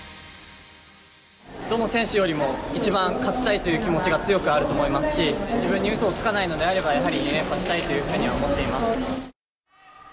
どの選手よりも一番勝ちたいという気持ちが強くあると思いますし自分にうそをつかないのであればやはり２連覇したいというふうには思っています。